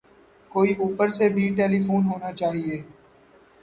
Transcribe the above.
کوئی اوپر سے بھی ٹیلی فون ہونا چاہئے